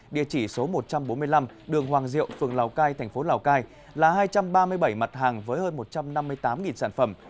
địa chỉ số một trăm bốn mươi năm đường hoàng diệu phường lào cai thành phố lào cai là hai trăm ba mươi bảy mặt hàng với hơn một trăm năm mươi tám sản phẩm